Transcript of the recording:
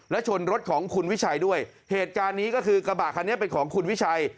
และชนรถของคุณวิชัยด้วยเหตุการณ์นี้ก็คือกระบะคันนี้เป็นของคุณวิชัย